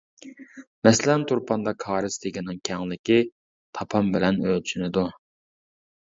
مەسىلەن تۇرپاندا كارىز تېگىنىڭ كەڭلىكى تاپان بىلەن ئۆلچىنىدۇ.